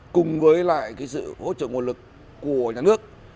cùng với lại sự hỗ trợ nguồn lực của nhà nước